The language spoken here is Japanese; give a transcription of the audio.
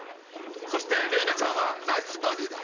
そしてレイナちゃんはナイスボディーだ。